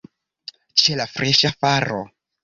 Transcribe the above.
Ĉe la freŝa faro.